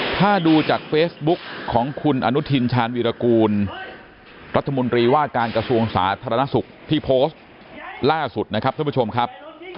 ถ้าดูจากเฟซบุ๊กของคุณอนุทินชาญวีรกูลรัฐมนตรีว่าการกระทรวงสาธารณสุขที่โพสต์ล่าสุดนะครับท่านผู้ชมครับ